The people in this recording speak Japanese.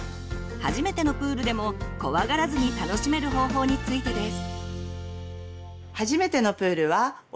初めてのプールでも怖がらずに楽しめる方法についてです。